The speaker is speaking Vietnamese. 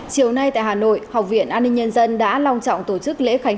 chiều nay tại hà nội học viện an ninh nhân dân đã long trọng tổ chức lễ khánh